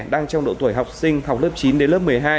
đang trong độ tuổi học sinh học lớp chín đến lớp một mươi hai